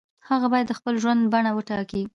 هغه باید د خپل ژوند بڼه وټاکي.